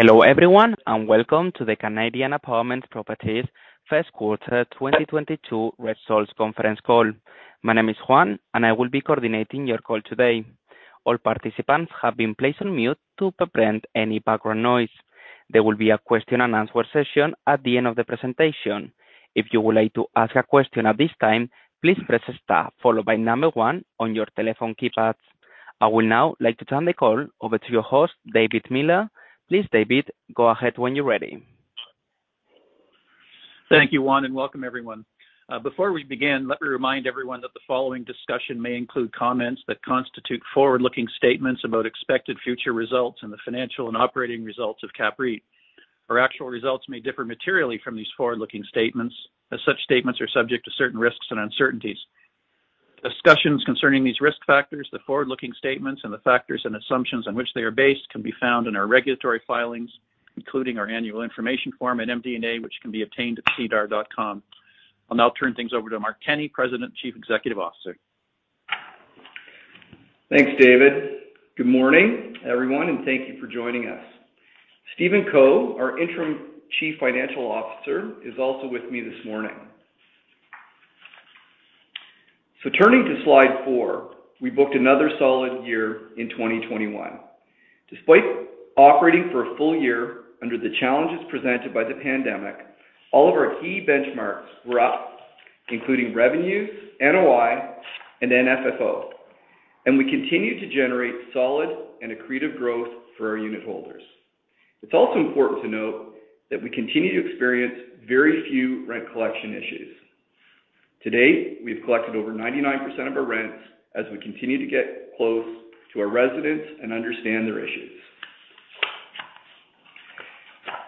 Hello everyone, and welcome to the Canadian Apartment Properties first quarter 2022 results conference call. My name is Juan and I will be coordinating your call today. All participants have been placed on mute to prevent any background noise. There will be a question and answer session at the end of the presentation. If you would like to ask a question at this time, please press star followed by one on your telephone keypads. I would now like to turn the call over to your host, David Miller. Please, David, go ahead when you're ready. Thank you, Juan, and welcome everyone. Before we begin, let me remind everyone that the following discussion may include comments that constitute forward-looking statements about expected future results and the financial and operating results of CAPREIT. Our actual results may differ materially from these forward-looking statements, as such statements are subject to certain risks and uncertainties. Discussions concerning these risk factors, the forward-looking statements, and the factors and assumptions on which they are based can be found in our regulatory filings, including our annual information form and MD&A, which can be obtained at SEDAR. I'll now turn things over to Mark Kenney, President and Chief Executive Officer. Thanks, David. Good morning, everyone, and thank you for joining us. Stephen Co, our interim Chief Financial Officer, is also with me this morning. Turning to slide four, we booked another solid year in 2021. Despite operating for a full year under the challenges presented by the pandemic, all of our key benchmarks were up, including revenue, NOI, and then FFO, and we continued to generate solid and accretive growth for our unitholders. It's also important to note that we continue to experience very few rent collection issues. To date, we have collected over 99% of our rents as we continue to get close to our residents and understand their issues.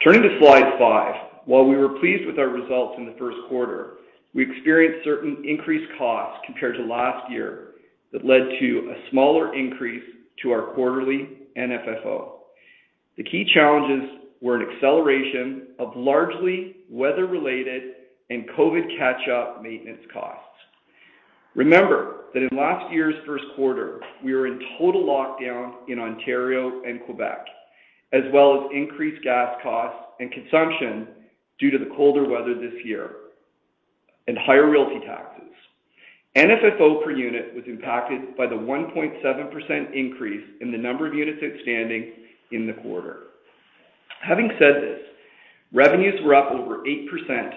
Turning to slide five. While we were pleased with our results in the first quarter, we experienced certain increased costs compared to last year that led to a smaller increase to our quarterly and FFO. The key challenges were an acceleration of largely weather-related and COVID catch-up maintenance costs. Remember that in last year's first quarter, we were in total lockdown in Ontario and Quebec, as well as increased gas costs and consumption due to the colder weather this year and higher realty taxes. FFO per unit was impacted by the 1.7% increase in the number of units outstanding in the quarter. Having said this, revenues were up over 8%,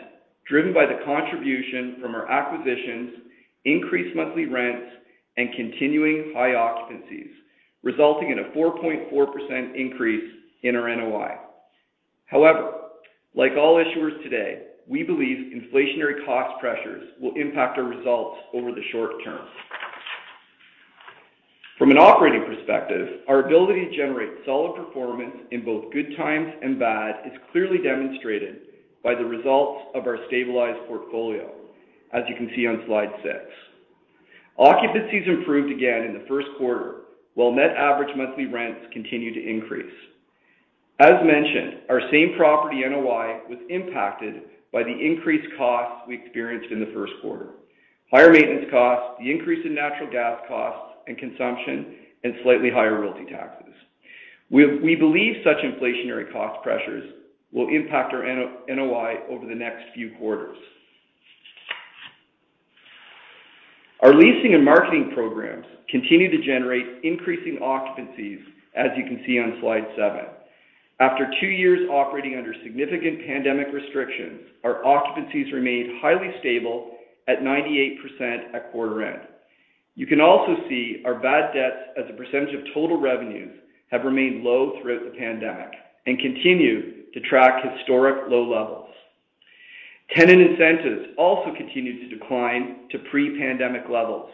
driven by the contribution from our acquisitions, increased monthly rents, and continuing high occupancies, resulting in a 4.4% increase in our NOI. However, like all issuers today, we believe inflationary cost pressures will impact our results over the short term. From an operating perspective, our ability to generate solid performance in both good times and bad is clearly demonstrated by the results of our stabilized portfolio, as you can see on slide six. Occupancies improved again in the first quarter, while net average monthly rents continued to increase. As mentioned, our same-property NOI was impacted by the increased costs we experienced in the first quarter. Higher maintenance costs, the increase in natural gas costs and consumption, and slightly higher realty taxes. We believe such inflationary cost pressures will impact our NOI over the next few quarters. Our leasing and marketing programs continue to generate increasing occupancies, as you can see on slide seven. After two years operating under significant pandemic restrictions, our occupancies remained highly stable at 98% at quarter end. You can also see our bad debts as a percentage of total revenues have remained low throughout the pandemic and continue to track historic low levels. Tenant incentives also continued to decline to pre-pandemic levels,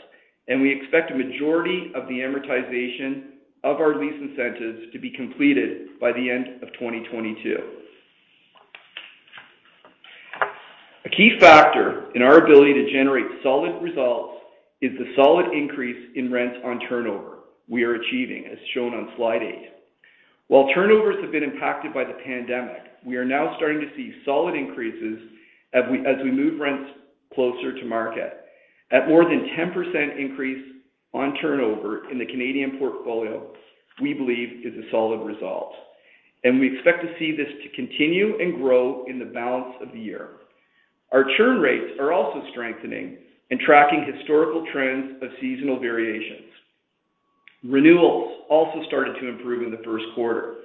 and we expect a majority of the amortization of our lease incentives to be completed by the end of 2022. A key factor in our ability to generate solid results is the solid increase in rents on turnover we are achieving, as shown on slide eight. While turnovers have been impacted by the pandemic, we are now starting to see solid increases as we move rents closer to market. At more than 10% increase on turnover in the Canadian portfolio, we believe is a solid result, and we expect to see this to continue and grow in the balance of the year. Our churn rates are also strengthening and tracking historical trends of seasonal variations. Renewals also started to improve in the first quarter.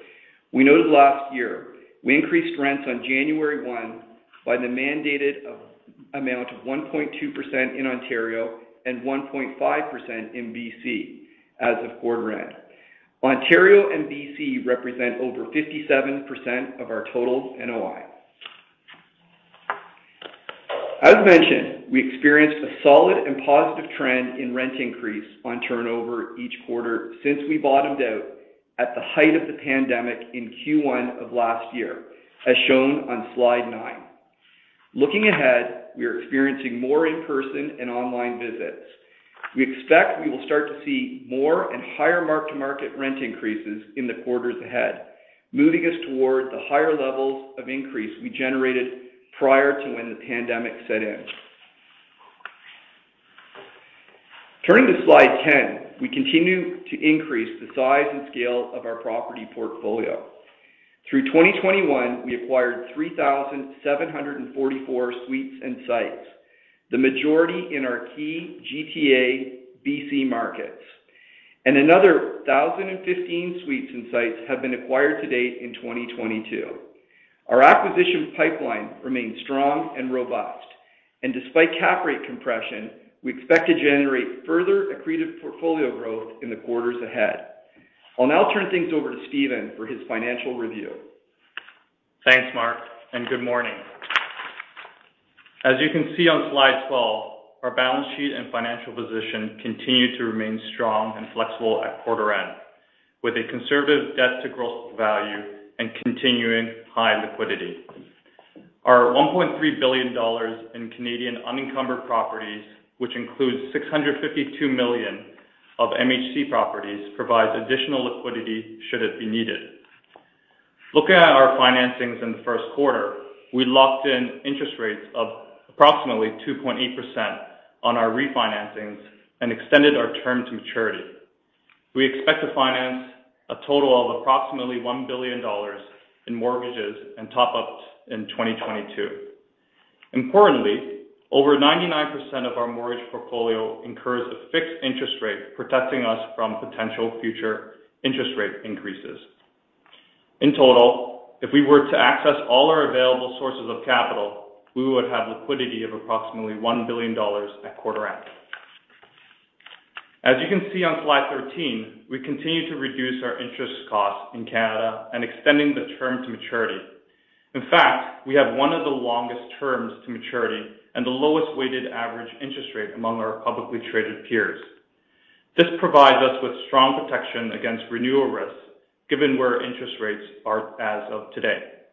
We noted last year we increased rents on January 1 by the mandated amount of 1.2% in Ontario and 1.5% in BC as of quarter end. Ontario and BC represent over 57% of our total NOI. As mentioned, we experienced a solid and positive trend in rent increase on turnover each quarter since we bottomed out at the height of the pandemic in Q1 of last year, as shown on slide nine. Looking ahead, we are experiencing more in-person and online visits. We expect we will start to see more and higher mark-to-market rent increases in the quarters ahead, moving us towards the higher levels of increase we generated prior to when the pandemic set in. Turning to slide 10, we continue to increase the size and scale of our property portfolio. Through 2021, we acquired 3,744 suites and sites, the majority in our key GTA BC markets, and another 1,015 suites and sites have been acquired to date in 2022. Our acquisition pipeline remains strong and robust, and despite cap rate compression, we expect to generate further accreted portfolio growth in the quarters ahead. I'll now turn things over to Stephen for his financial review. Thanks, Mark, and good morning. As you can see on slide 12, our balance sheet and financial position continue to remain strong and flexible at quarter end, with a conservative debt to gross value and continuing high liquidity. Our 1.3 billion dollars in Canadian unencumbered properties, which includes 652 million of MHC properties, provides additional liquidity should it be needed. Looking at our financings in the first quarter, we locked in interest rates of approximately 2.8% on our refinancings and extended our term to maturity. We expect to finance a total of approximately 1 billion dollars in mortgages and top-ups in 2022. Importantly, over 99% of our mortgage portfolio incurs a fixed interest rate, protecting us from potential future interest rate increases. In total, if we were to access all our available sources of capital, we would have liquidity of approximately 1 billion dollars at quarter end. As you can see on slide 13, we continue to reduce our interest costs in Canada and extending the term to maturity. In fact, we have one of the longest terms to maturity and the lowest weighted average interest rate among our publicly traded peers. This provides us with strong protection against renewal risks, given where interest rates are as of today.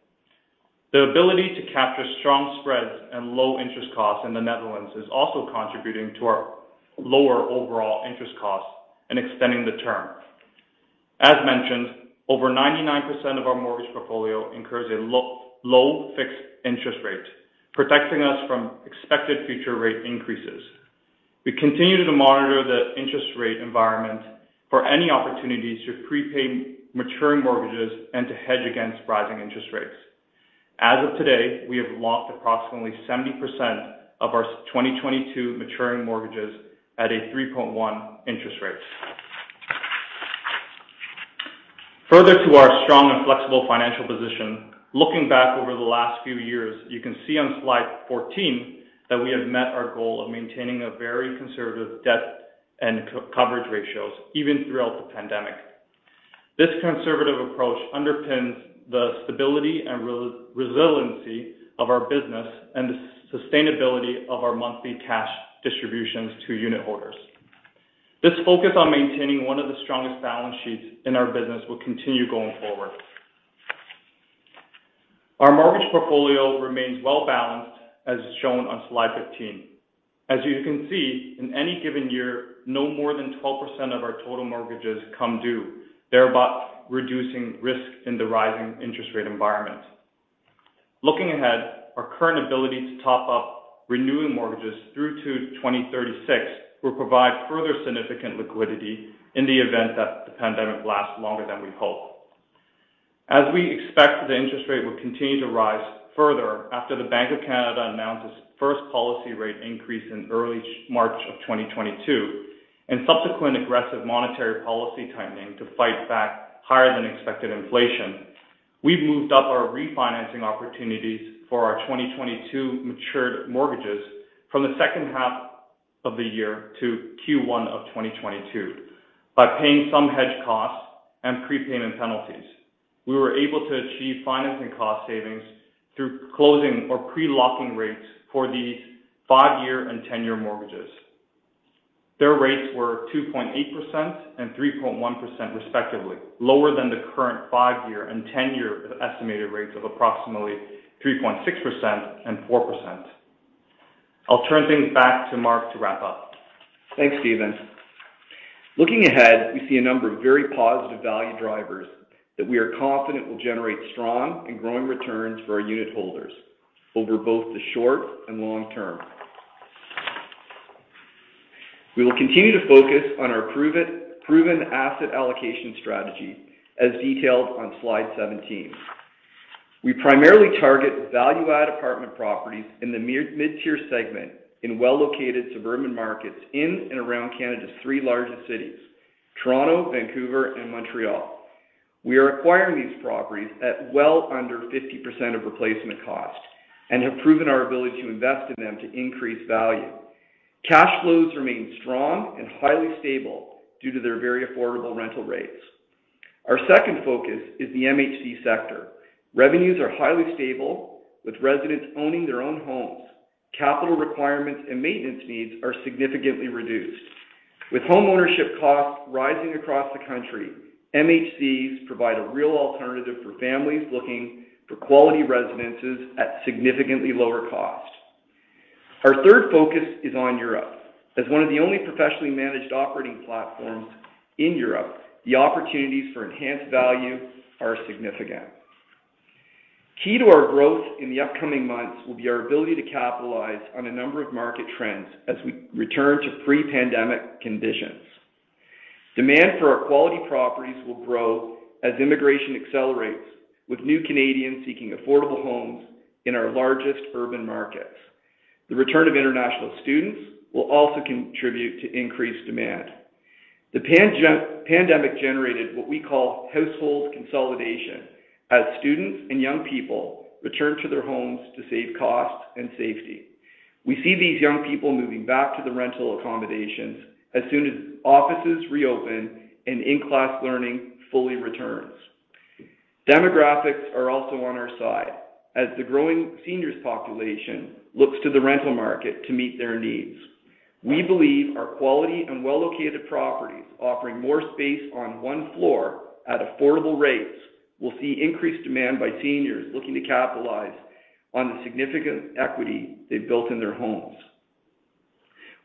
The ability to capture strong spreads and low interest costs in the Netherlands is also contributing to our lower overall interest costs and extending the term. As mentioned, over 99% of our mortgage portfolio incurs a low fixed interest rate, protecting us from expected future rate increases. We continue to monitor the interest rate environment for any opportunities to prepay maturing mortgages and to hedge against rising interest rates. As of today, we have locked approximately 70% of our 2022 maturing mortgages at a 3.1 interest rate. Further to our strong and flexible financial position, looking back over the last few years, you can see on slide 14 that we have met our goal of maintaining a very conservative debt and coverage ratios even throughout the pandemic. This conservative approach underpins the stability and resiliency of our business and the sustainability of our monthly cash distributions to unitholders. This focus on maintaining one of the strongest balance sheets in our business will continue going forward. Our mortgage portfolio remains well-balanced, as is shown on slide 15. As you can see, in any given year, no more than 12% of our total mortgages come due, thereby reducing risk in the rising interest rate environment. Looking ahead, our current ability to top up renewing mortgages through to 2036 will provide further significant liquidity in the event that the pandemic lasts longer than we hope. As we expect the interest rate will continue to rise further after the Bank of Canada announced its first policy rate increase in early March of 2022 and subsequent aggressive monetary policy tightening to fight back higher than expected inflation. We've moved up our refinancing opportunities for our 2022 matured mortgages from the second half of the year to Q1 of 2022. By paying some hedge costs and prepayment penalties, we were able to achieve financing cost savings through closing or pre-locking rates for these five-year and 10-year mortgages. Their rates were 2.8% and 3.1% respectively, lower than the current five-year and 10-year estimated rates of approximately 3.6% and 4%. I'll turn things back to Mark to wrap up. Thanks, Stephen. Looking ahead, we see a number of very positive value drivers that we are confident will generate strong and growing returns for our unitholders over both the short and long term. We will continue to focus on our proven asset allocation strategy, as detailed on slide 17. We primarily target value-add apartment properties in the mid-tier segment in well-located suburban markets in and around Canada's three largest cities, Toronto, Vancouver, and Montreal. We are acquiring these properties at well under 50% of replacement cost and have proven our ability to invest in them to increase value. Cash flows remain strong and highly stable due to their very affordable rental rates. Our second focus is the MHC sector. Revenues are highly stable, with residents owning their own homes. Capital requirements and maintenance needs are significantly reduced. With homeownership costs rising across the country, MHCs provide a real alternative for families looking for quality residences at significantly lower cost. Our third focus is on Europe. As one of the only professionally managed operating platforms in Europe, the opportunities for enhanced value are significant. Key to our growth in the upcoming months will be our ability to capitalize on a number of market trends as we return to pre-pandemic conditions. Demand for our quality properties will grow as immigration accelerates, with new Canadians seeking affordable homes in our largest urban markets. The return of international students will also contribute to increased demand. The pandemic generated what we call household consolidation, as students and young people return to their homes to save costs and safety. We see these young people moving back to the rental accommodations as soon as offices reopen and in-class learning fully returns. Demographics are also on our side as the growing seniors population looks to the rental market to meet their needs. We believe our quality and well-located properties offering more space on one floor at affordable rates will see increased demand by seniors looking to capitalize on the significant equity they've built in their homes.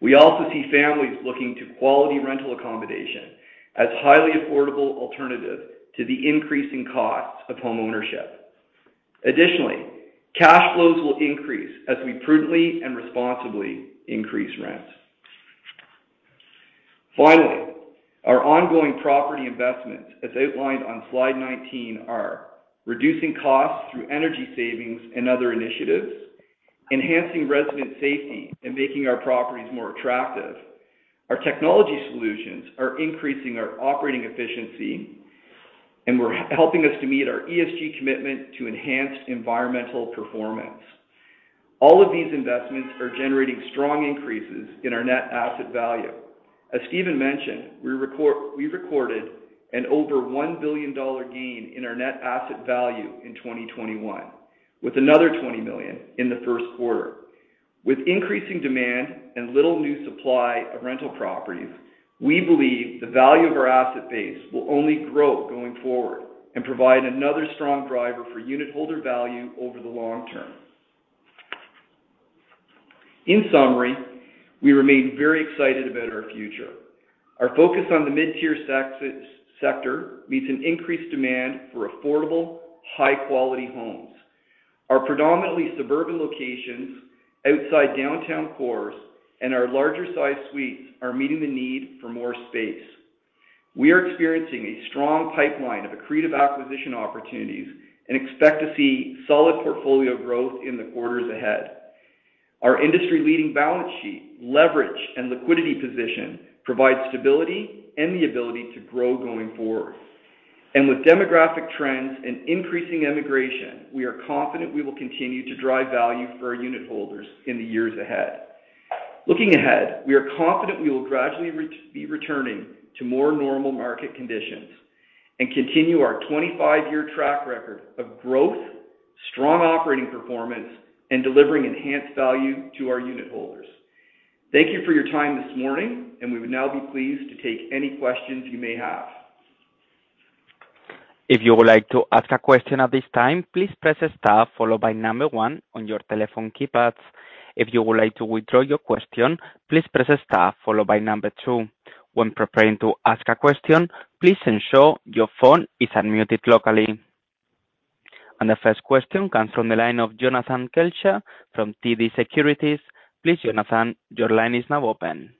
We also see families looking to quality rental accommodation as highly affordable alternative to the increasing costs of homeownership. Additionally, cash flows will increase as we prudently and responsibly increase rents. Finally, our ongoing property investments, as outlined on slide 19, are reducing costs through energy savings and other initiatives, enhancing resident safety, and making our properties more attractive. Our technology solutions are increasing our operating efficiency and helping us to meet our ESG commitment to enhanced environmental performance. All of these investments are generating strong increases in our net asset value. As Stephen mentioned, we recorded an over 1 billion dollar gain in our net asset value in 2021, with another 20 million in the first quarter. With increasing demand and little new supply of rental properties, we believe the value of our asset base will only grow going forward and provide another strong driver for unitholder value over the long term. In summary, we remain very excited about our future. Our focus on the mid-tier sector meets an increased demand for affordable, high-quality homes. Our predominantly suburban locations outside downtown cores and our larger-sized suites are meeting the need for more space. We are experiencing a strong pipeline of accretive acquisition opportunities and expect to see solid portfolio growth in the quarters ahead. Our industry-leading balance sheet, leverage, and liquidity position provide stability and the ability to grow going forward. With demographic trends and increasing immigration, we are confident we will continue to drive value for our unitholders in the years ahead. Looking ahead, we are confident we will gradually be returning to more normal market conditions and continue our 25-year track record of growth, strong operating performance, and delivering enhanced value to our unitholders. Thank you for your time this morning, and we would now be pleased to take any questions you may have. If you would like to ask a question at this time, please press star followed by one on your telephone keypads. If you would like to withdraw your question, please press star followed by two. When preparing to ask a question, please ensure your phone is unmuted locally. The first question comes from the line of Jonathan Kelcher from TD Securities. Please, Jonathan, your line is now open.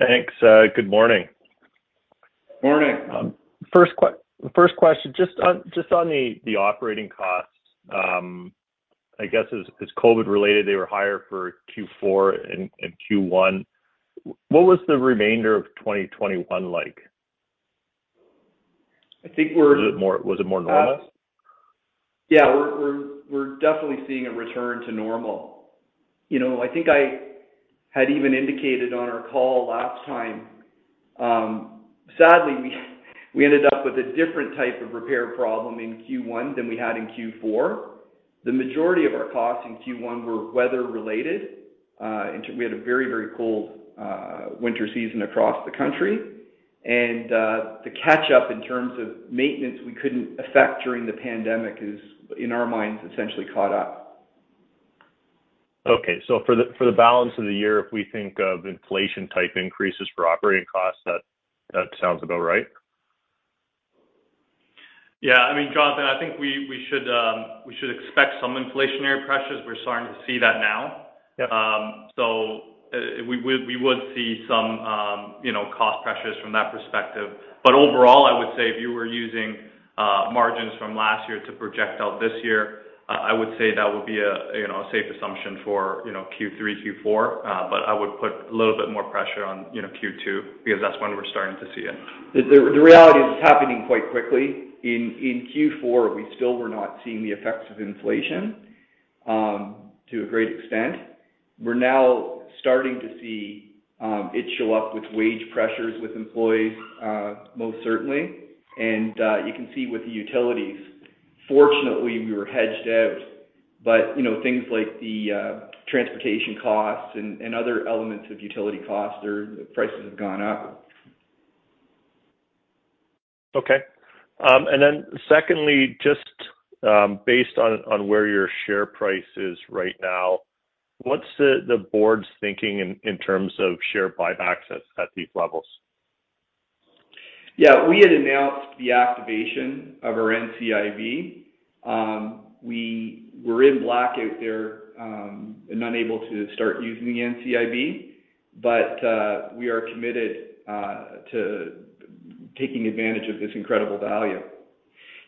Thanks. Good morning. Morning. First question, just on the operating costs, I guess it was COVID related, they were higher for Q4 and Q1. What was the remainder of 2021 like? I think we're. Was it more normal? Yeah. We're definitely seeing a return to normal. You know, I think I had even indicated on our call last time, sadly, we ended up with a different type of repair problem in Q1 than we had in Q4. The majority of our costs in Q1 were weather related, we had a very cold winter season across the country. The catch up in terms of maintenance we couldn't effect during the pandemic is, in our minds, essentially caught up. Okay. For the balance of the year, if we think of inflation type increases for operating costs, that sounds about right? Yeah. I mean, Jonathan, I think we should expect some inflationary pressures. We're starting to see that now. Yeah. We would see some, you know, cost pressures from that perspective. Overall, I would say if you were using margins from last year to project out this year, I would say that would be a, you know, a safe assumption for, you know, Q3, Q4. I would put a little bit more pressure on, you know, Q2 because that's when we're starting to see it. The reality is it's happening quite quickly. In Q four, we still were not seeing the effects of inflation to a great extent. We're now starting to see it show up with wage pressures with employees most certainly, and you can see with the utilities. Fortunately, we were hedged out, but you know, things like the transportation costs and other elements of utility costs, prices have gone up. Secondly, just based on where your share price is right now, what's the board's thinking in terms of share buybacks at these levels? Yeah, we had announced the activation of our NCIB. We were in blackout there and unable to start using the NCIB, but we are committed to taking advantage of this incredible value.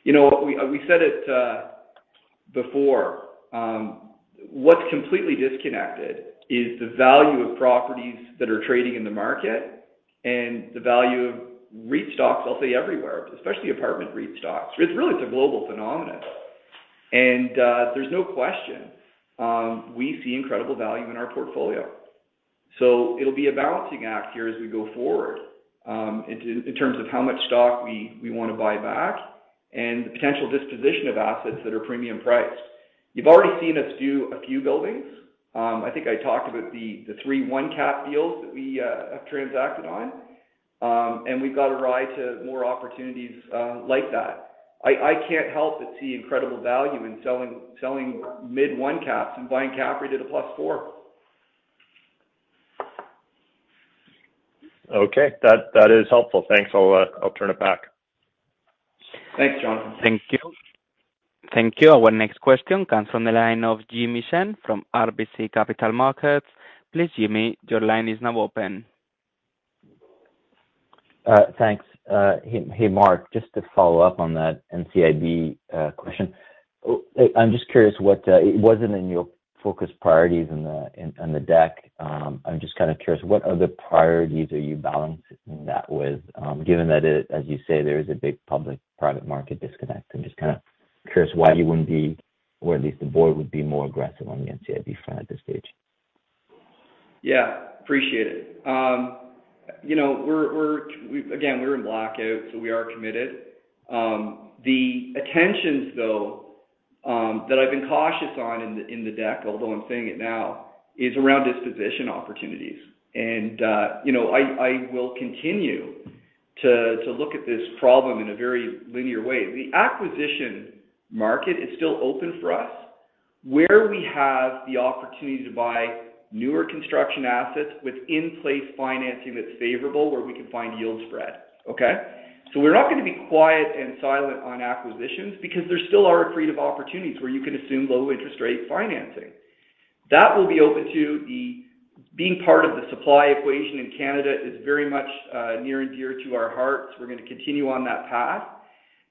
You know, we said it before. What's completely disconnected is the value of properties that are trading in the market and the value of REIT stocks, I'll say everywhere, especially apartment REIT stocks. It's really a global phenomenon. There's no question we see incredible value in our portfolio. It'll be a balancing act here as we go forward in terms of how much stock we wanna buy back and the potential disposition of assets that are premium priced. You've already seen us do a few buildings. I think I talked about the 3.1 cap deals that we have transacted on. We've got a right to more opportunities like that. I can't help but see incredible value in selling mid one-caps and buying CAPREIT at a +4. Okay. That is helpful. Thanks. I'll turn it back. Thanks, John. Thank you. Our next question comes from the line of Jimmy Shan from RBC Capital Markets. Please, Jimmy, your line is now open. Thanks. Hey, Mark, just to follow up on that NCIB question. I'm just curious what. It wasn't in your focus priorities in on the deck. I'm just kind of curious, what other priorities are you balancing that with? Given that, as you say, there is a big public-private market disconnect. I'm just kind of curious why you wouldn't be, or at least the board would be more aggressive on the NCIB front at this stage. Yeah, appreciate it. You know, we're in blackout, so we are committed. The intentions, though, that I've been cautious on in the deck, although I'm saying it now, is around disposition opportunities. You know I will continue to look at this problem in a very linear way. The acquisition market is still open for us where we have the opportunity to buy newer construction assets with in-place financing that's favorable, where we can find yield spread. Okay. We're not going to be quiet and silent on acquisitions because there still are a breed of opportunities where you can assume low interest rate financing. That we'll be open to. Being part of the supply equation in Canada is very much near and dear to our hearts. We're going to continue on that path.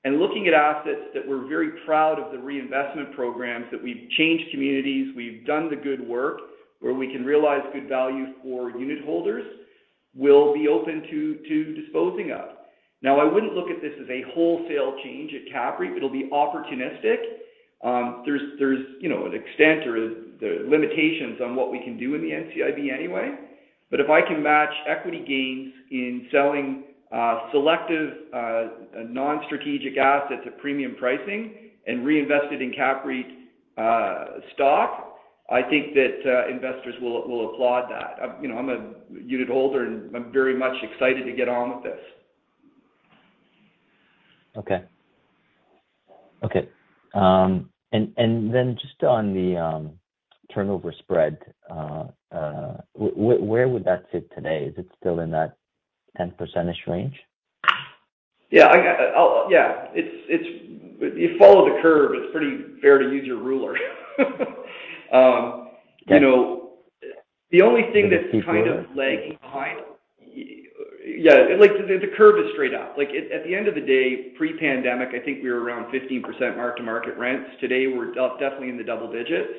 Looking at assets that we're very proud of the reinvestment programs, that we've changed communities, we've done the good work, where we can realize good value for unitholders, we'll be open to disposing of. Now, I wouldn't look at this as a wholesale change at CAPREIT. It'll be opportunistic. There's, you know, an extent or the limitations on what we can do in the NCIB anyway. But if I can match equity gains in selling selective non-strategic assets at premium pricing and reinvest it in CAPREIT stock, I think that investors will applaud that. You know, I'm a unitholder, and I'm very much excited to get on with this. Okay. Just on the turnover spread, where would that sit today? Is it still in that 10% range? Yeah. If you follow the curve, it's pretty fair to use your ruler. You know. Okay. The only thing that's- Can I just keep you there? Kind of lagging behind. Yeah. Like, the curve is straight up. Like, at the end of the day, pre-pandemic, I think we were around 15% mark-to-market rents. Today, we're definitely in the double digits.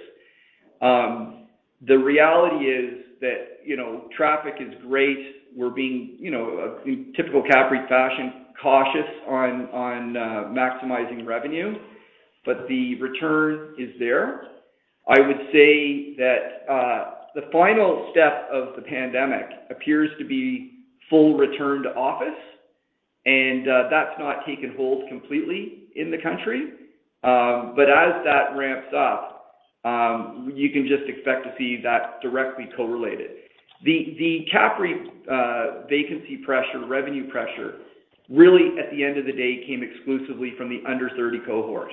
The reality is that, you know, traffic is great. We're being, you know, in typical CAPREIT fashion, cautious on maximizing revenue, but the return is there. I would say that the final step of the pandemic appears to be full return to office, and that's not taken hold completely in the country. As that ramps up, you can just expect to see that directly correlated. The CAPREIT vacancy pressure, revenue pressure, really, at the end of the day, came exclusively from the under-thirty cohort.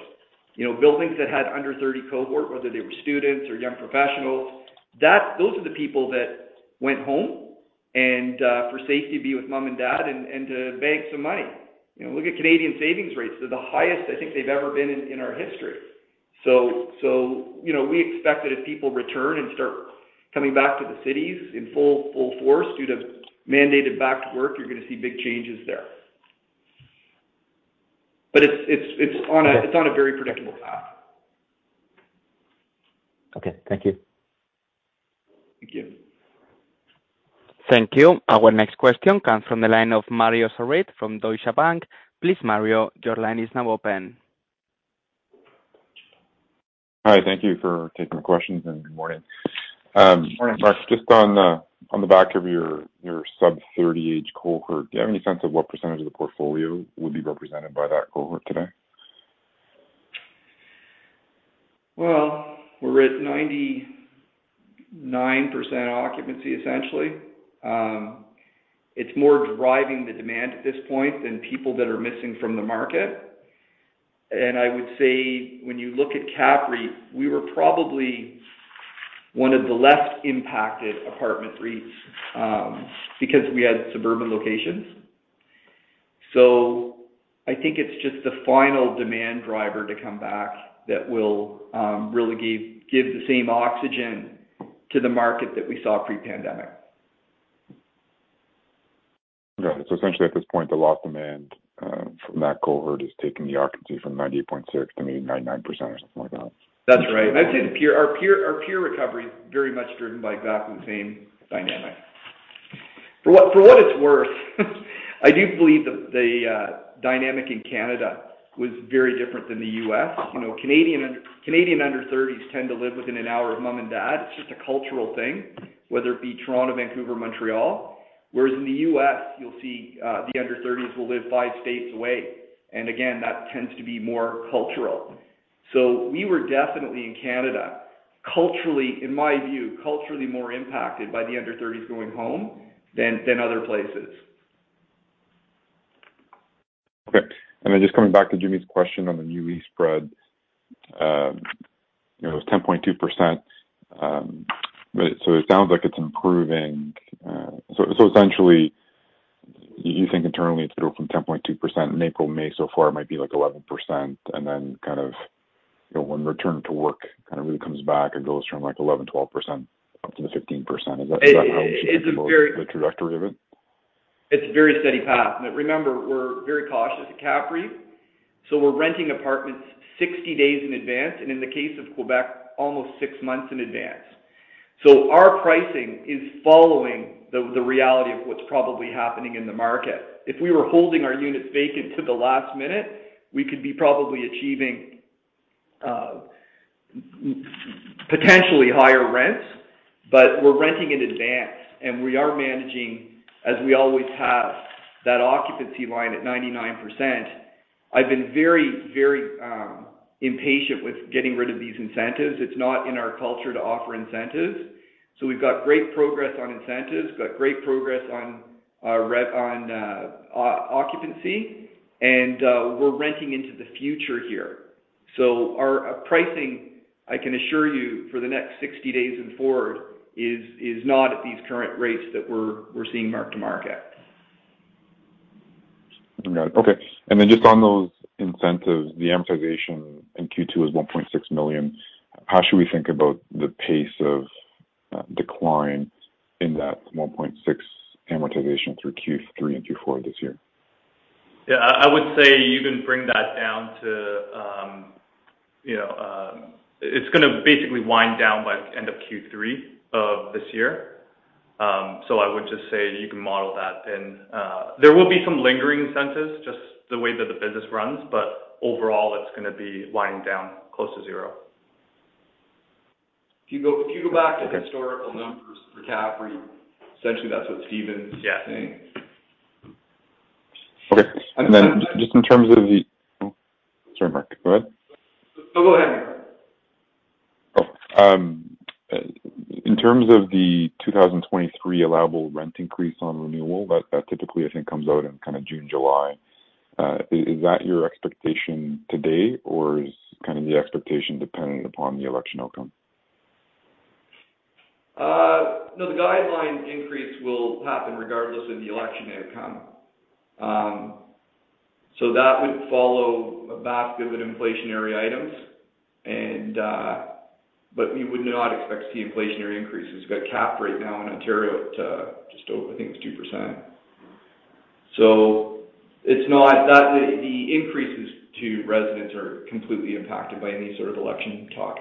You know, buildings that had under-thirty cohort, whether they were students or young professionals, that those are the people that went home and for safety be with mom and dad and to bank some money. You know, look at Canadian savings rates. They're the highest I think they've ever been in our history. So you know, we expect that as people return and start coming back to the cities in full force due to mandated back to work, you're going to see big changes there. But it's on a- Okay. It's on a very predictable path. Okay. Thank you. Thank you. Thank you. Our next question comes from the line of Mario Saric from Deutsche Bank. Please, Mario, your line is now open. Hi. Thank you for taking the questions, and good morning. Morning. Mark, just on the back of your sub 30-age cohort, do you have any sense of what percentage of the portfolio would be represented by that cohort today? Well, we're at 99% occupancy, essentially. It's more driving the demand at this point than people that are missing from the market. I would say when you look at CAPREIT, we were probably one of the less impacted apartment REITs, because we had suburban locations. I think it's just the final demand driver to come back that will really give the same oxygen to the market that we saw pre-pandemic. Got it. Essentially, at this point, the lost demand from that cohort is taking the occupancy from 98.6% to maybe 99% or something like that. That's right. I'd say our peer recovery is very much driven by exactly the same dynamic. For what it's worth, I do believe that the dynamic in Canada was very different than the US. You know, Canadian under thirties tend to live within an hour of mom and dad. It's just a cultural thing, whether it be Toronto, Vancouver, Montreal. Whereas in the US, you'll see the under thirties will live five states away. Again, that tends to be more cultural. We were definitely in Canada, culturally, in my view, culturally more impacted by the under thirties going home than other places. Okay. Just coming back to Jimmy's question on the new lease spread. You know, it was 10.2%. But it sounds like it's improving. Essentially you think internally it's grown from 10.2% in April, May. So far it might be like 11%. And then kind of when return to work kind of really comes back, it goes from like 11%-12% up to the 15%. Is that how you think about the trajectory of it? It's a very steady path. Remember, we're very cautious at CAPREIT, so we're renting apartments 60 days in advance, and in the case of Quebec, almost six months in advance. Our pricing is following the reality of what's probably happening in the market. If we were holding our units vacant to the last minute, we could be probably achieving potentially higher rents. We're renting in advance, and we are managing, as we always have, that occupancy line at 99%. I've been very impatient with getting rid of these incentives. It's not in our culture to offer incentives. We've got great progress on incentives. We've got great progress on our occupancy, and we're renting into the future here. Our pricing, I can assure you, for the next 60 days and forward, is not at these current rates that we're seeing mark-to-market. Got it. Okay. Just on those incentives, the amortization in Q2 is 1.6 million. How should we think about the pace of decline in that 1.6 amortization through Q3 and Q4 this year? Yeah, I would say you can bring that down to, you know, it's going to basically wind down by end of Q3 of this year. I would just say you can model that in. There will be some lingering incentives, just the way that the business runs, but overall, it's going to be winding down close to zero. If you go back to the historical numbers for CAPREIT, essentially that's what Stephen's guessing. Okay. Sorry, Mark, go ahead. No, go ahead. In terms of the 2023 allowable rent increase on renewal, that typically I think comes out in kind of June, July. Is that your expectation today or is kind of the expectation dependent upon the election outcome? No, the guideline increase will happen regardless of the election outcome. That would follow a basket of inflationary items. But we would not expect to see inflationary increases. We've got a cap right now in Ontario to just over, I think it's 2%. It's not that the increases to residents are completely impacted by any sort of election talk.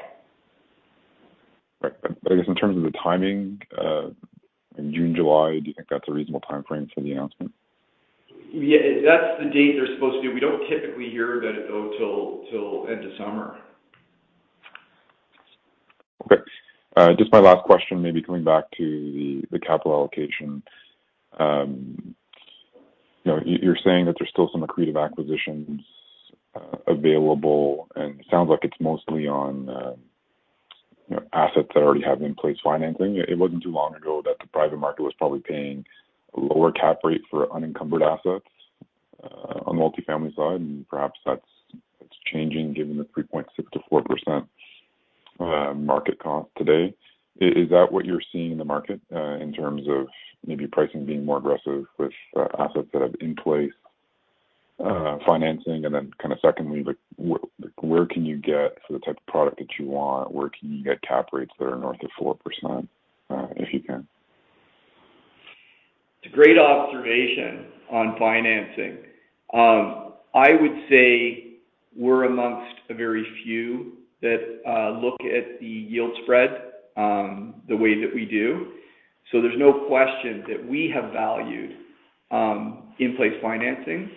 Right. I guess in terms of the timing, in June, July, do you think that's a reasonable timeframe for the announcement? Yeah, that's the date they're supposed to. We don't typically hear that until end of summer. Okay. Just my last question, maybe coming back to the capital allocation. You know, you're saying that there's still some accretive acquisitions available, and it sounds like it's mostly on, you know, assets that already have in-place financing. It wasn't too long ago that the private market was probably paying a lower cap rate for unencumbered assets on the multifamily side. Perhaps that's changing given the 3.6%-4% market cost today. Is that what you're seeing in the market in terms of maybe pricing being more aggressive with assets that have in-place financing? Then kind of secondly, like, where can you get for the type of product that you want, where can you get cap rates that are north of 4%, if you can? It's a great observation on financing. I would say we're among the very few that look at the yield spread the way that we do. There's no question that we have valued in-place financing.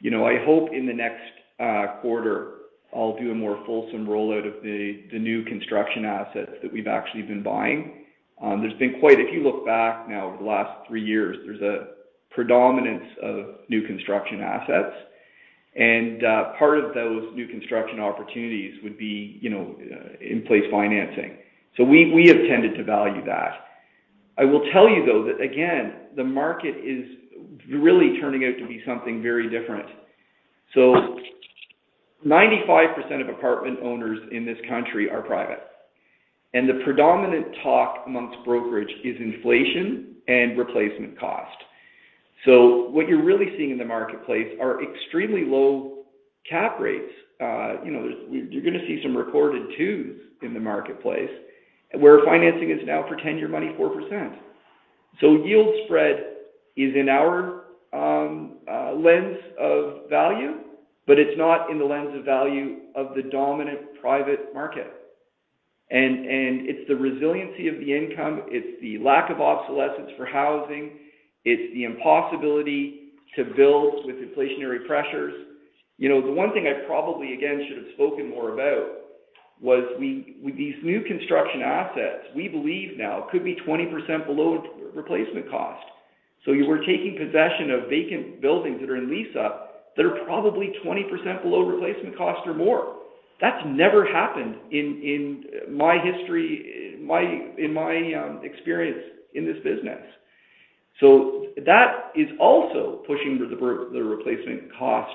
You know, I hope in the next quarter I'll do a more fulsome rollout of the new construction assets that we've actually been buying. If you look back now over the last three years, there's a predominance of new construction assets. Part of those new construction opportunities would be, you know, in-place financing. We have tended to value that. I will tell you though, that again, the market is really turning out to be something very different. 95% of apartment owners in this country are private, and the predominant talk amongst brokerage is inflation and replacement cost. What you're really seeing in the marketplace are extremely low cap rates. You know, you're gonna see some recorded two's in the marketplace where financing is now for 10-year money, 4%. Yield spread is in our lens of value, but it's not in the lens of value of the dominant private market. It's the resiliency of the income. It's the lack of obsolescence for housing. It's the impossibility to build with inflationary pressures. You know, the one thing I probably, again, should have spoken more about was these new construction assets we believe now could be 20% below replacement cost. You were taking possession of vacant buildings that are in lease up that are probably 20% below replacement cost or more. That's never happened in my history, in my experience in this business. That is also pushing the replacement cost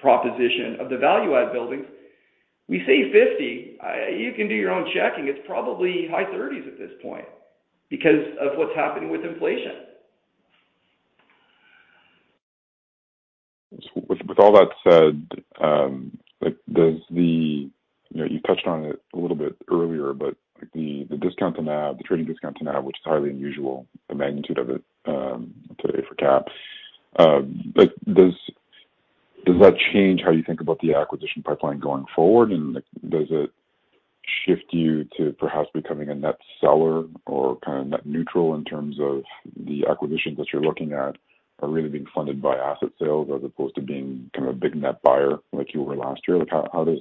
proposition of the value add buildings. We say 50. You can do your own checking. It's probably high 30s at this point because of what's happening with inflation. With all that said, like, does the... You know, you touched on it a little bit earlier, but like the discount to NAV, the trading discount to NAV, which is highly unusual, the magnitude of it, today for CAPREIT. Like, does that change how you think about the acquisition pipeline going forward, and does it shift you to perhaps becoming a net seller or kind of net neutral in terms of the acquisitions that you're looking at are really being funded by asset sales as opposed to being kind of a big net buyer like you were last year? Like, how does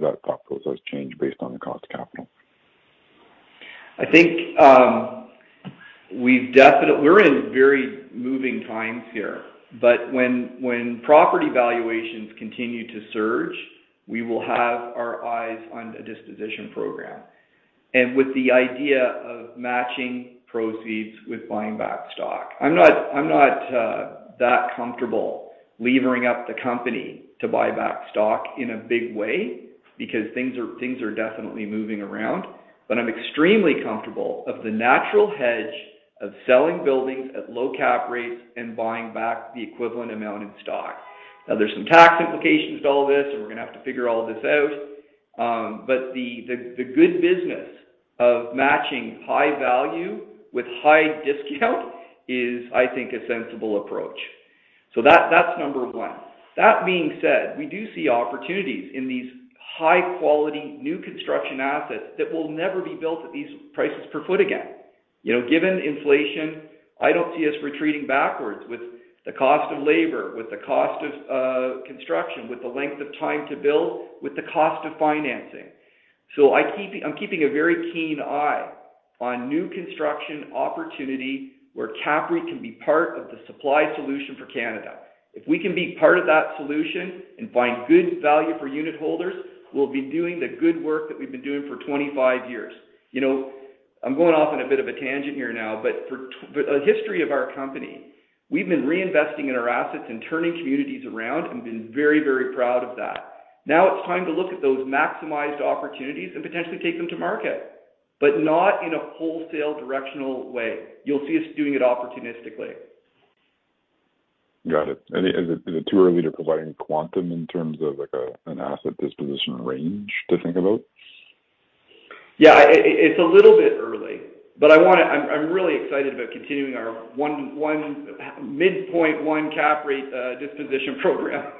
that calculus change based on the cost of capital? I think we've We're in very moving times here, but when property valuations continue to surge, we will have our eyes on a disposition program. With the idea of matching proceeds with buying back stock. I'm not that comfortable levering up the company to buy back stock in a big way because things are definitely moving around. I'm extremely comfortable of the natural hedge of selling buildings at low cap rates and buying back the equivalent amount in stock. Now, there's some tax implications to all this, and we're going to have to figure all of this out. The good business of matching high value with high discount is, I think, a sensible approach. That, that's number one. That being said, we do see opportunities in these high-quality new construction assets that will never be built at these prices per foot again. You know, given inflation, I don't see us retreating backwards with the cost of labor, with the cost of construction, with the length of time to build, with the cost of financing. I'm keeping a very keen eye on new construction opportunity where CAPREIT can be part of the supply solution for Canada. If we can be part of that solution and find good value for unitholders, we'll be doing the good work that we've been doing for 25 years. You know, I'm going off on a bit of a tangent here now, for a history of our company, we've been reinvesting in our assets and turning communities around and been very, very proud of that. Now it's time to look at those maximized opportunities and potentially take them to market, but not in a wholesale directional way. You'll see us doing it opportunistically. Got it. Is it too early to provide any quantum in terms of, like, a, an asset disposition range to think about? Yeah, it's a little bit early, but I'm really excited about continuing our 101 million CAPREIT disposition program.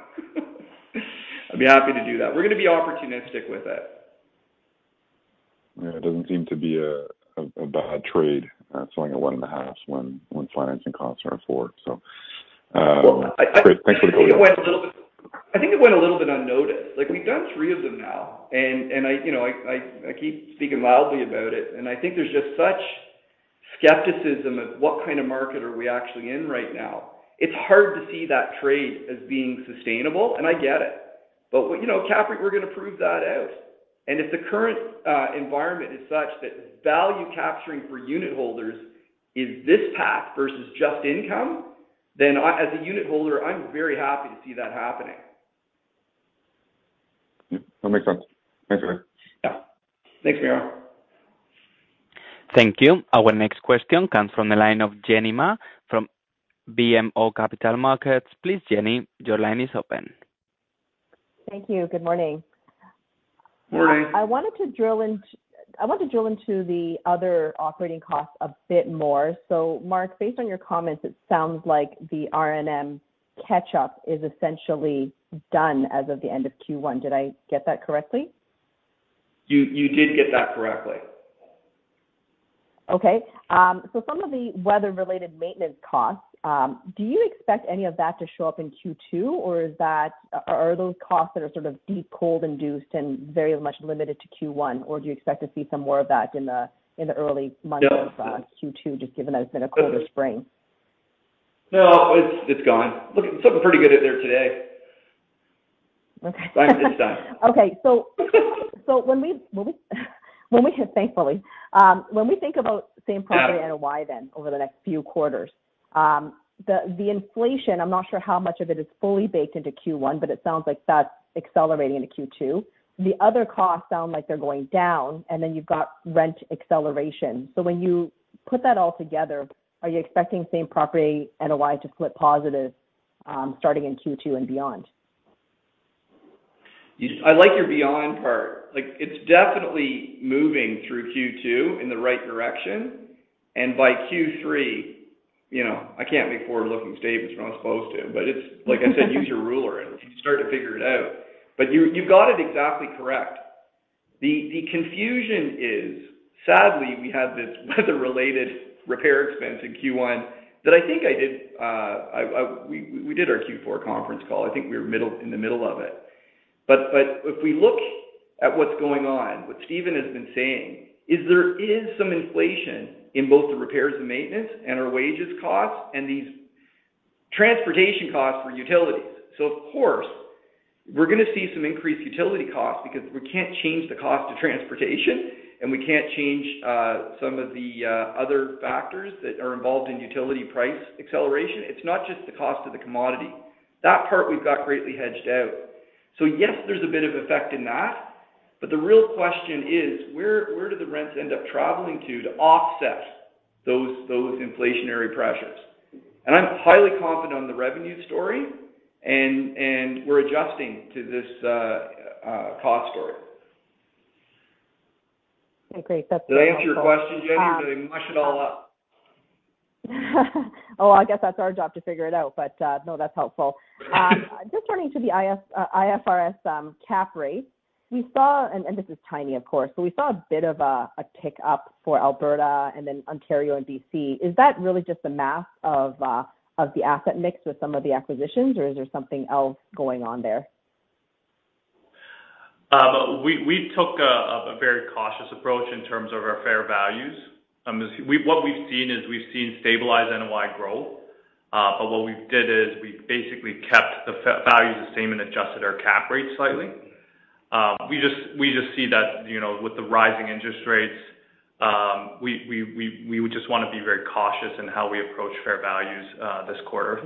I'd be happy to do that. We're gonna be opportunistic with it. It doesn't seem to be a bad trade, selling at 1.5% when financing costs are at 4%. Great. Thanks for the clarity. I think it went a little bit unnoticed. Like, we've done three of them now, and you know, I keep speaking loudly about it, and I think there's just such skepticism of what kind of market are we actually in right now. It's hard to see that trade as being sustainable, and I get it. You know, at CAPREIT, we're going to prove that out. If the current environment is such that value capturing for unitholders is this path versus just income, then I, as a unitholder, I'm very happy to see that happening. That makes sense. Thanks, Mark. Yeah. Thank you. Thank you. Our next question comes from the line of Jenny Ma from BMO Capital Markets. Please, Jenny, your line is open. Thank you. Good morning. Morning. I want to drill into the other operating costs a bit more. Mark, based on your comments, it sounds like the R&M catch-up is essentially done as of the end of Q1. Did I get that correctly? You did get that correctly. Okay. Some of the weather-related maintenance costs, do you expect any of that to show up in Q2, or are those costs that are sort of deep cold induced and very much limited to Q1, or do you expect to see some more of that in the early months? No. -of Q2, just given that it's been a colder spring? No, it's gone. Look, it's looking pretty good out there today. Okay. It's Okay. Thankfully, when we think about same property NOI then over the next few quarters, the inflation, I'm not sure how much of it is fully baked into Q1, but it sounds like that's accelerating into Q2. The other costs sound like they're going down, and then you've got rent acceleration. When you put that all together, are you expecting same property NOI to flip positive, starting in Q2 and beyond? I like your beyond part. Like, it's definitely moving through Q2 in the right direction. By Q3, you know, I can't make forward-looking statements. We're not supposed to. Like I said, use your ruler, and you can start to figure it out. But you got it exactly correct. The confusion is, sadly, we had this weather-related repair expense in Q1 that I think I did, we did our Q4 conference call. I think we were in the middle of it. If we look at what's going on, what Stephen has been saying is there is some inflation in both the repairs and maintenance and our wages costs and these transportation costs for utilities. Of course, we're gonna see some increased utility costs because we can't change the cost of transportation, and we can't change some of the other factors that are involved in utility price acceleration. It's not just the cost of the commodity. That part, we've got greatly hedged out. Yes, there's a bit of effect in that. But the real question is, where do the rents end up traveling to offset those inflationary pressures? I'm highly confident on the revenue story, and we're adjusting to this cost story. Okay. That's Did I answer your question, Jenny? Or did I mush it all up? Oh, I guess that's our job to figure it out, but no, that's helpful. Just turning to the IFRS cap rate. We saw, and this is tiny, of course, but we saw a bit of a tick-up for Alberta and then Ontario and BC. Is that really just the math of the asset mix with some of the acquisitions, or is there something else going on there? We took a very cautious approach in terms of our fair values. What we've seen is stabilized NOI growth. What we did is we basically kept the fair values the same and adjusted our cap rate slightly. We just see that, you know, with the rising interest rates, we just wanna be very cautious in how we approach fair values this quarter.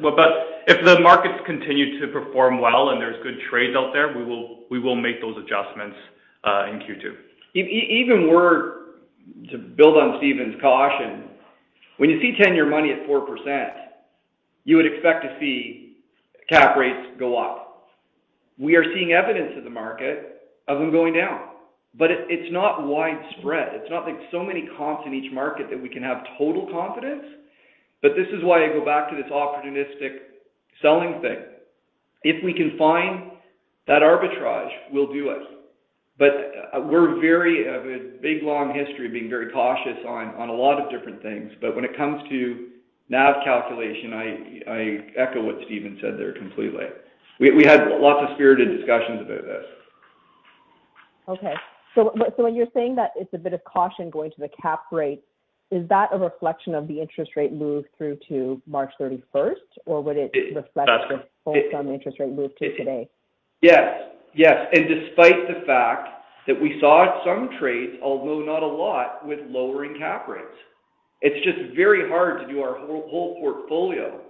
If the markets continue to perform well and there's good trades out there, we will make those adjustments in Q2. Even more, to build on Stephen's caution, when you see 10-year money at 4%, you would expect to see cap rates go up. We are seeing evidence in the market of them going down. It’s not widespread. It's not like so many comps in each market that we can have total confidence. This is why I go back to this opportunistic selling thing. If we can find that arbitrage, we'll do it. We're wary of a big, long history being very cautious on a lot of different things. When it comes to NAV calculation, I echo what Stephen said there completely. We had lots of spirited discussions about this. When you're saying that it's a bit of caution going to the cap rate, is that a reflection of the interest rate move through to March 31st, or would it- It, that's- Reflect the full interest rate move to today? Yes. Yes. Despite the fact that we saw some trades, although not a lot, with lowering cap rates. It's just very hard to do our whole portfolio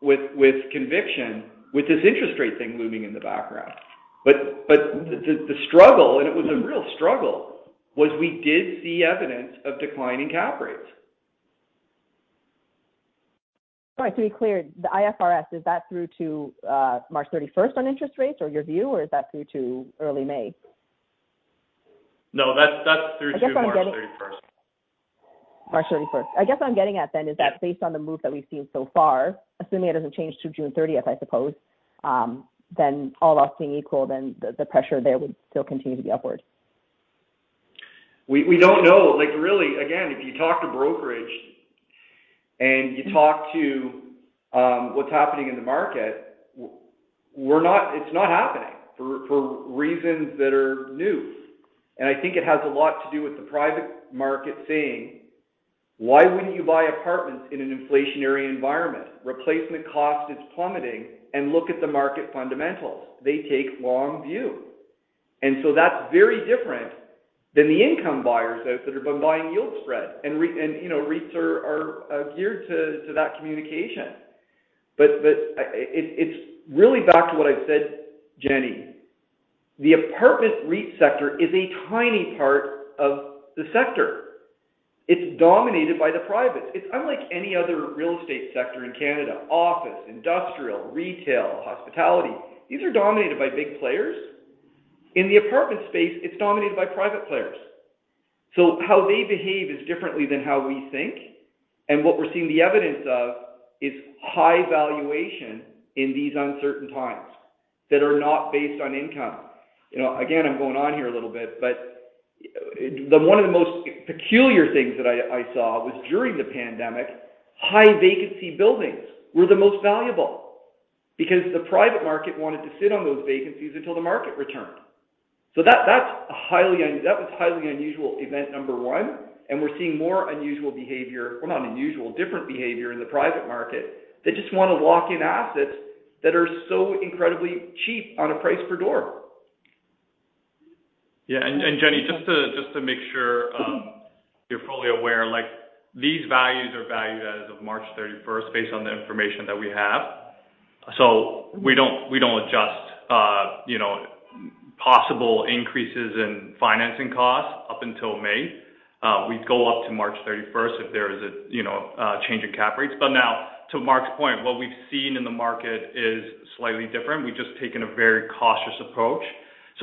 with conviction with this interest rate thing looming in the background. The struggle, and it was a real struggle, was we did see evidence of declining cap rates. All right. To be clear, the IFRS is that through to March 31st on interest rates or your view, or is that through to early May? No, that's through to March 31st. March 31st. I guess what I'm getting at then is that based on the move that we've seen so far, assuming it doesn't change to June 30th, I suppose, then all else being equal, then the pressure there would still continue to be upward. We don't know. Like, really, again, if you talk to brokerage and you talk to what's happening in the market, we're not—it's not happening for reasons that are new. I think it has a lot to do with the private market saying, "Why wouldn't you buy apartments in an inflationary environment? Replacement cost is plummeting, and look at the market fundamentals." They take long view. That's very different than the income buyers out there that have been buying yield spread. And, you know, REITs are geared to that communication. It's really back to what I said, Jenny. The apartment REIT sector is a tiny part of the sector. It's dominated by the privates. It's unlike any other real estate sector in Canada, office, industrial, retail, hospitality. These are dominated by big players. In the apartment space, it's dominated by private players. How they behave is differently than how we think. What we're seeing the evidence of is high valuation in these uncertain times that are not based on income. You know, again, I'm going on here a little bit, but, one of the most peculiar things that I saw was during the pandemic, high-vacancy buildings were the most valuable because the private market wanted to sit on those vacancies until the market returned. That was highly unusual event number one, and we're seeing more unusual behavior, or not unusual, different behavior in the private market. They just wanna lock in assets that are so incredibly cheap on a price per door. Yeah. Jenny, just to make sure you're fully aware, like these values are valued as of March 31st based on the information that we have. We don't adjust you know possible increases in financing costs up until May. We go up to March 31st if there is a you know change in cap rates. Now to Mark's point, what we've seen in the market is slightly different. We've just taken a very cautious approach.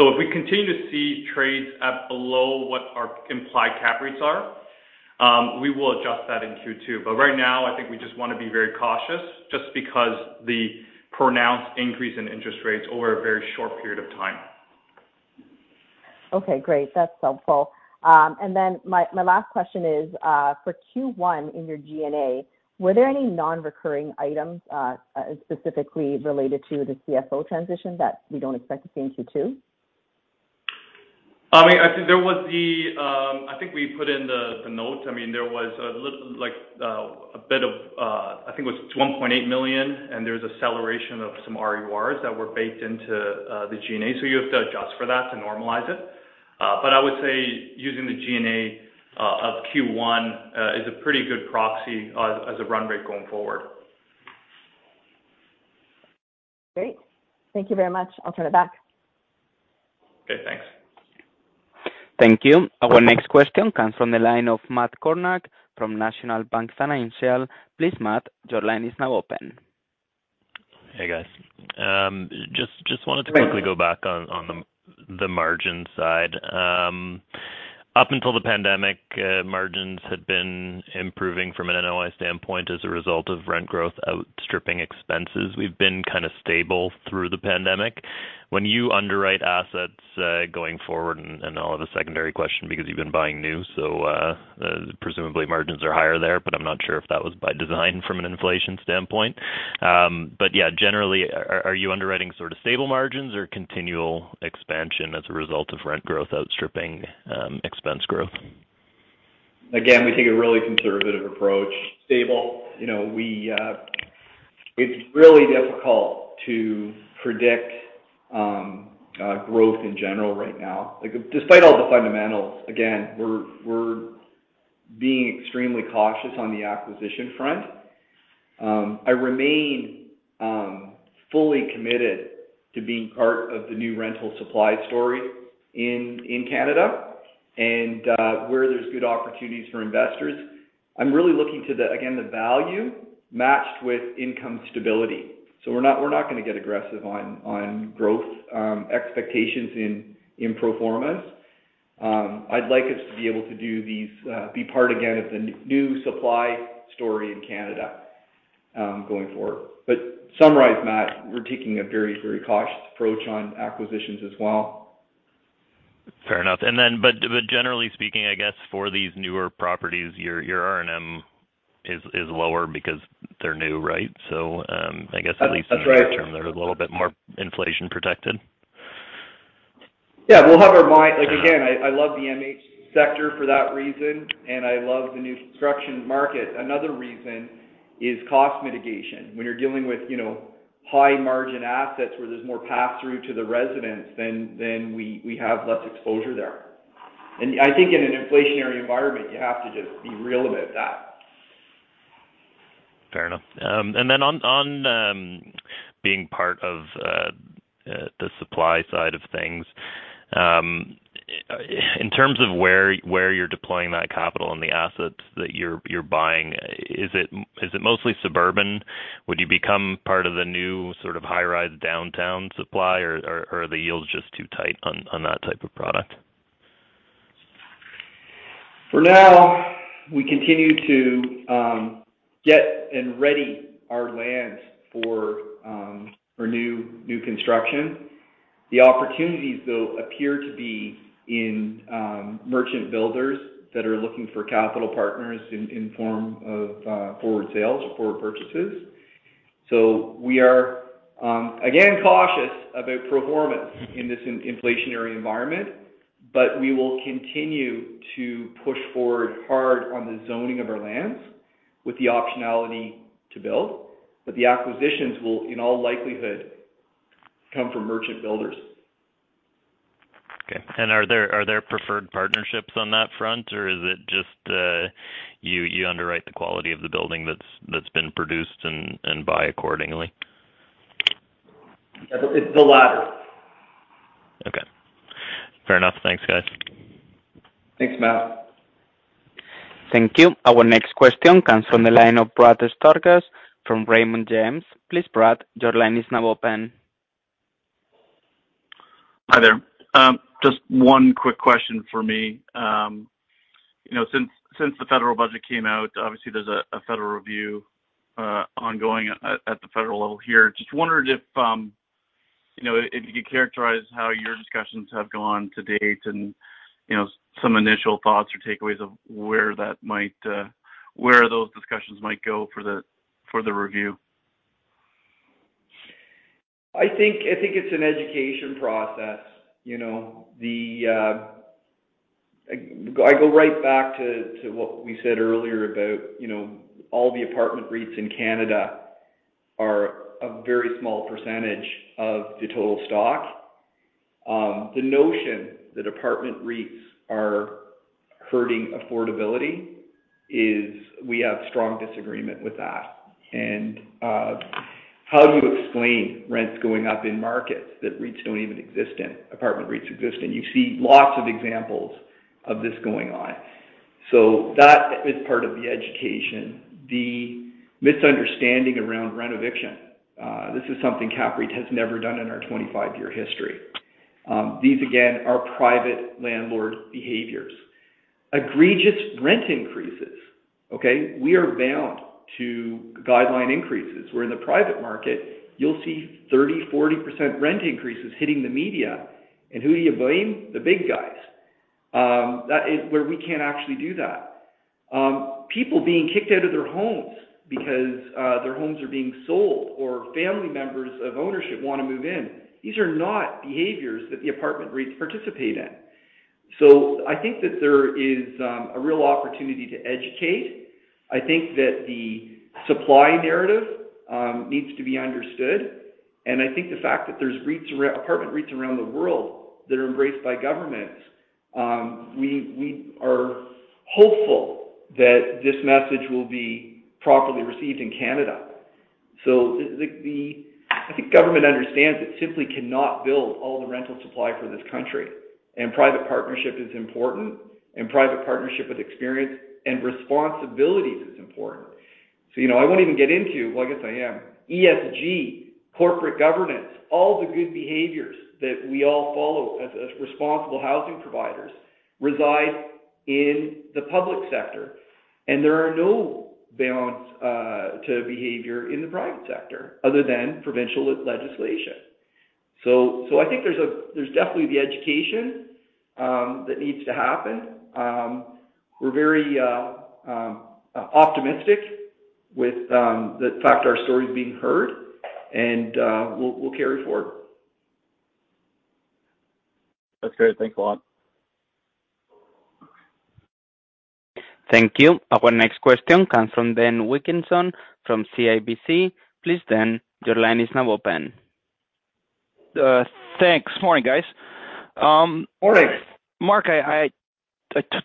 If we continue to see trades at below what our implied cap rates are, we will adjust that in Q2. Right now, I think we just wanna be very cautious just because the pronounced increase in interest rates over a very short period of time. Okay, great. That's helpful. My last question is, for Q1 in your G&A, were there any non-recurring items, specifically related to the CFO transition that we don't expect to see in Q2? I mean, I think we put in the note. I mean, there was a little like a bit of, I think it was 1.8 million, and there's acceleration of some RURs that were baked into the G&A. You have to adjust for that to normalize it. I would say using the G&A of Q1 is a pretty good proxy as a run rate going forward. Great. Thank you very much. I'll turn it back. Okay, thanks. Thank you. Our next question comes from the line of Matt Kornack from National Bank Financial. Please, Matt, your line is now open. Hey, guys. Just wanted to Hey, Matt. Quickly go back on the margin side. Up until the pandemic, margins had been improving from an NOI standpoint as a result of rent growth outstripping expenses. We've been kinda stable through the pandemic. When you underwrite assets going forward, and I'll have a secondary question because you've been buying new, so presumably margins are higher there, but I'm not sure if that was by design from an inflation standpoint. Yeah, generally, are you underwriting sort of stable margins or continual expansion as a result of rent growth outstripping expense growth? Again, we take a really conservative approach. Stable. You know, it's really difficult to predict growth in general right now. Like, despite all the fundamentals, again, we're being extremely cautious on the acquisition front. I remain fully committed to being part of the new rental supply story in Canada and where there's good opportunities for investors. I'm really looking to, again, the value matched with income stability. We're not gonna get aggressive on growth expectations in pro formas. I'd like us to be able to be part again of the new supply story in Canada going forward. Summarize, Matt, we're taking a very cautious approach on acquisitions as well. Fair enough. Generally speaking, I guess for these newer properties, your R&M is lower because they're new, right? That's right. In the short term, they're a little bit more inflation protected. Like again, I love the MH sector for that reason, and I love the new construction market. Another reason is cost mitigation. When you're dealing with, you know, high margin assets where there's more pass-through to the residents, then we have less exposure there. I think in an inflationary environment, you have to just be real about that. Fair enough. On being part of the supply side of things, in terms of where you're deploying that capital and the assets that you're buying, is it mostly suburban? Would you become part of the new sort of high-rise downtown supply or are the yields just too tight on that type of product? For now, we continue to get ready our land for new construction. The opportunities though appear to be in merchant builders that are looking for capital partners in form of forward sales or forward purchases. We are again cautious about pro formas in this inflationary environment, but we will continue to push forward hard on the zoning of our lands with the optionality to build. The acquisitions will, in all likelihood, come from merchant builders. Okay. Are there preferred partnerships on that front, or is it just you underwrite the quality of the building that's been produced and buy accordingly? It's the latter. Okay. Fair enough. Thanks, guys. Thanks, Matt. Thank you. Our next question comes from the line of Brad Sturges from Raymond James. Please, Brad, your line is now open. Hi there. Just one quick question for me. You know, since the federal budget came out, obviously there's a federal review ongoing at the federal level here. Just wondered if you know, if you could characterize how your discussions have gone to date and you know, some initial thoughts or takeaways of where those discussions might go for the review. I think it's an education process. You know, I go right back to what we said earlier about, you know, all the apartment REITs in Canada are a very small percentage of the total stock. The notion that apartment REITs are hurting affordability is, we have strong disagreement with that. How do you explain rents going up in markets that REITs don't even exist in, apartment REITs exist in? You see lots of examples of this going on. That is part of the education. The misunderstanding around renoviction, this is something CAPREIT has never done in our 25-year history. These again are private landlord behaviors. Egregious rent increases, okay. We are bound to guideline increases, where in the private market you'll see 30%, 40% rent increases hitting the media. Who do you blame? The big guys. That is where we can't actually do that. People being kicked out of their homes because their homes are being sold or family members of ownership wanna move in. These are not behaviors that the apartment REITs participate in. I think that there is a real opportunity to educate. I think that the supply narrative needs to be understood, and I think the fact that there's REITs around, apartment REITs around the world that are embraced by governments, we are hopeful that this message will be properly received in Canada. I think government understands it simply cannot build all the rental supply for this country. Private partnership is important, and private partnership with experience and responsibilities is important. You know, I won't even get into, well, I guess I am, ESG, corporate governance, all the good behaviors that we all follow as responsible housing providers reside in the public sector. There are no bounds to behavior in the private sector other than provincial legislation. I think there's definitely the education that needs to happen. We're very optimistic with the fact our story is being heard and we'll carry it forward. That's great. Thanks a lot. Thank you. Our next question comes from Dean Wilkinson from CIBC. Please, Dean, your line is now open. Thanks. Morning, guys. Morning. Mark, I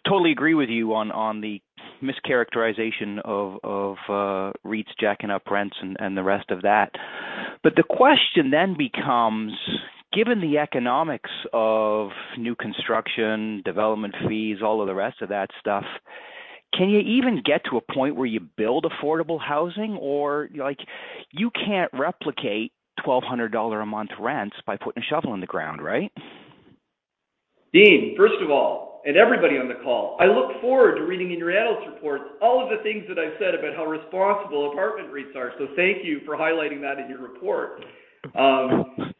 totally agree with you on the mischaracterization of REITs jacking up rents and the rest of that. The question then becomes, given the economics of new construction, development fees, all of the rest of that stuff, can you even get to a point where you build affordable housing or like, you can't replicate 1,200 dollar a month rents by putting a shovel in the ground, right? Dean, first of all, and everybody on the call, I look forward to reading in your analyst reports all of the things that I've said about how responsible apartment REITs are. Thank you for highlighting that in your report.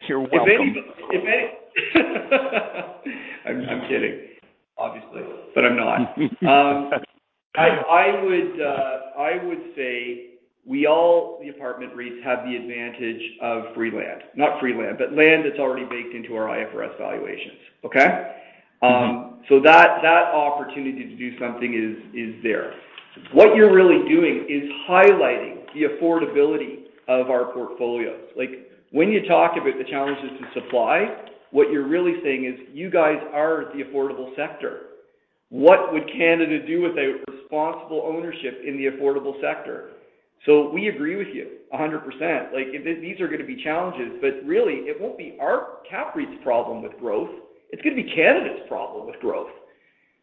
You're welcome. If any, I'm kidding, obviously, but I'm not. I would say we all, the apartment REITs, have the advantage of free land. Not free land, but land that's already baked into our IFRS valuations. Okay? Mm-hmm. That opportunity to do something is there. What you're really doing is highlighting the affordability of our portfolios. Like, when you talk about the challenges to supply, what you're really saying is you guys are the affordable sector. What would Canada do without responsible ownership in the affordable sector? We agree with you 100%, like, these are gonna be challenges, but really it won't be our CAPREIT's problem with growth. It's gonna be Canada's problem with growth.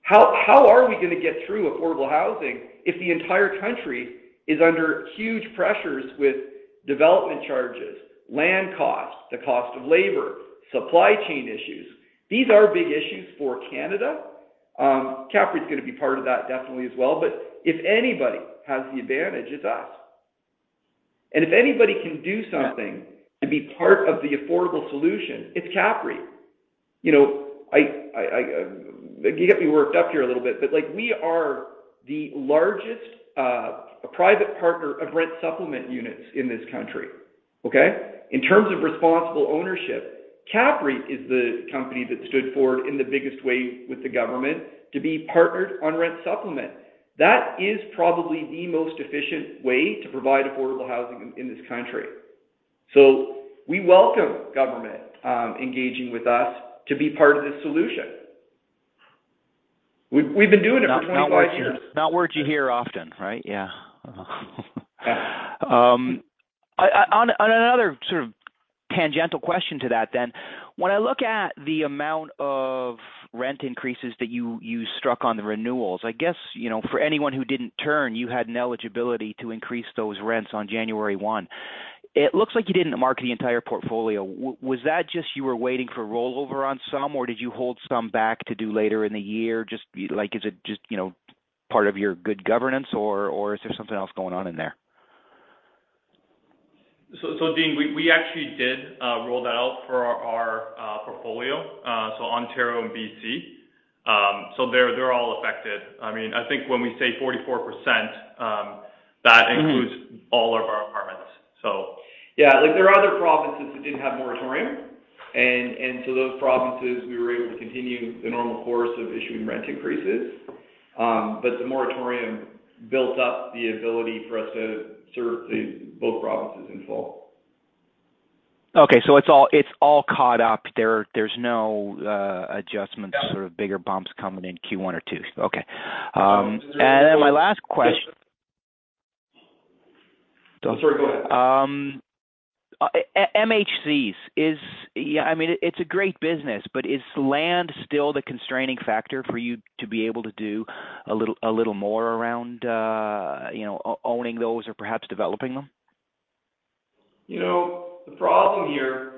How are we gonna get through affordable housing if the entire country is under huge pressures with development charges, land costs, the cost of labor, supply chain issues? These are big issues for Canada. CAPREIT's gonna be part of that definitely as well. If anybody has the advantage, it's us. If anybody can do something to be part of the affordable solution, it's CAPREIT. You know, you got me worked up here a little bit, but, like, we are the largest private partner of rent supplement units in this country. Okay? In terms of responsible ownership, CAPREIT is the company that stood forward in the biggest way with the government to be partnered on rent supplement. That is probably the most efficient way to provide affordable housing in this country. We welcome government engaging with us to be part of the solution. We've been doing it for 25 years. Not words you hear often, right? Yeah. On another sort of tangential question to that. When I look at the amount of rent increases that you struck on the renewals, I guess, you know, for anyone who didn't tune in, you had an eligibility to increase those rents on January 1. It looks like you didn't mark the entire portfolio. Was that just you were waiting for rollover on some, or did you hold some back to do later in the year? Just like, is it just, you know, part of your good governance or is there something else going on in there? Dean, we actually did roll that out for our portfolio, so Ontario and BC. They're all affected. I mean, I think when we say 44%, that includes. Yeah, like there are other provinces that didn't have moratorium. Those provinces, we were able to continue the normal course of issuing rent increases. The moratorium built up the ability for us to serve the both provinces in full. Okay. It's all caught up. There's no adjustments. No. Sort of bigger bumps coming in Q1 or two. Okay. My last question. I'm sorry, go ahead. MHCs. Yeah, I mean, it's a great business, but is land still the constraining factor for you to be able to do a little more around, you know, owning those or perhaps developing them? You know, the problem here.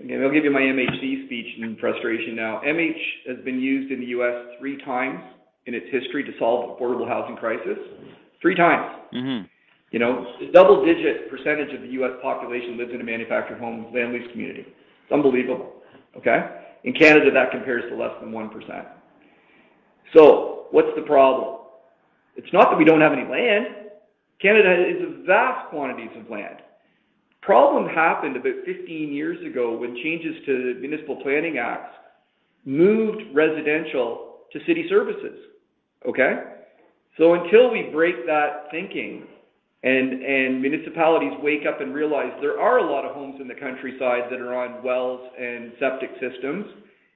I mean, I'll give you my MHC speech and frustration now. MH has been used in the U.S. three times in its history to solve affordable housing crisis. Three times. Mm-hmm. You know, a double-digit percentage of the U.S. population lives in a manufactured homes, land lease community. It's unbelievable, okay? In Canada, that compares to less than 1%. What's the problem? It's not that we don't have any land. Canada has vast quantities of land. Problem happened about 15 years ago when changes to municipal planning acts moved residential to city services, okay? Until we break that thinking and municipalities wake up and realize there are a lot of homes in the countryside that are on wells and septic systems.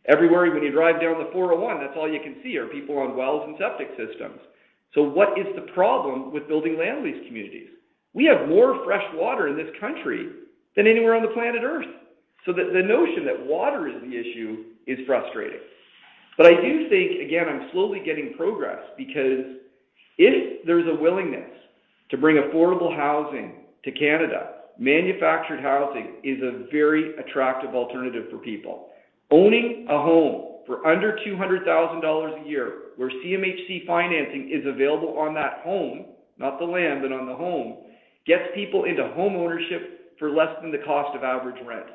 Everywhere when you drive down the 401, that's all you can see, are people on wells and septic systems. What is the problem with building land lease communities? We have more fresh water in this country than anywhere on the planet Earth. The notion that water is the issue is frustrating. I do think, again, I'm slowly getting progress because if there's a willingness to bring affordable housing to Canada, manufactured housing is a very attractive alternative for people. Owning a home for under 200,000 dollars a year where CMHC financing is available on that home, not the land, but on the home, gets people into homeownership for less than the cost of average rent.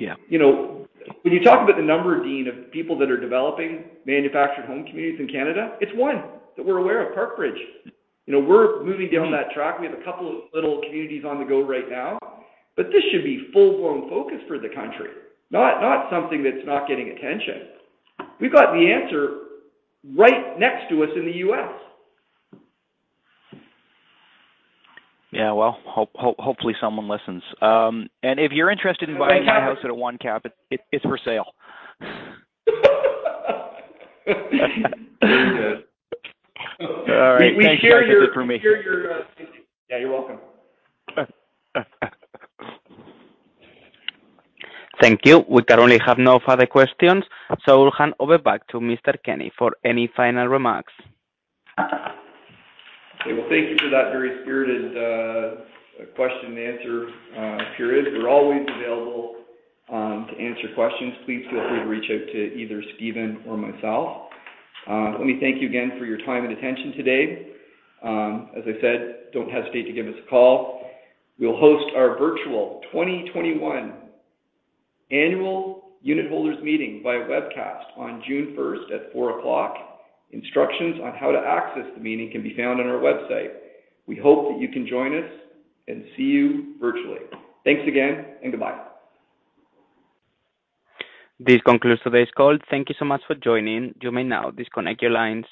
Yeah. You know, when you talk about the number, Dean, of people that are developing manufactured home communities in Canada, it's one that we're aware of, Parkbridge. You know, we're moving down that track. We have a couple of little communities on the go right now, but this should be full-blown focus for the country, not something that's not getting attention. We've got the answer right next to us in the U.S. Yeah, well, hopefully someone listens. If you're interested in buying my house at a one cap, it's for sale. Very good. All right. Thank you. We share your. Yeah, you're welcome. Thank you. We currently have no further questions, so we'll hand over back to Mr. Kenney for any final remarks. Okay. Well, thank you for that very spirited question and answer period. We're always available to answer questions. Please feel free to reach out to either Stephen or myself. Let me thank you again for your time and attention today. As I said, don't hesitate to give us a call. We'll host our virtual 2021 annual unitholders meeting via webcast on June 1st at 4:00 P.M. Instructions on how to access the meeting can be found on our website. We hope that you can join us, and see you virtually. Thanks again, and goodbye. This concludes today's call. Thank you so much for joining. You may now disconnect your lines.